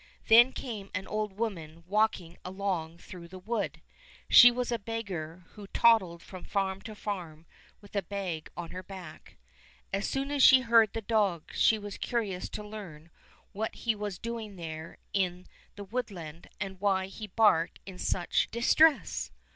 Then came an old woman walking along through the wood. She was a beggar who toddled from farm to farm with a bag on her back. As soon as she heard the dog she was curi ous to learn what he was doing there in the woodland, and why he barked in such dis 116 Fairy Tale Bears tress.